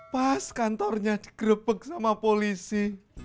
pas kantornya digrebek sama polisi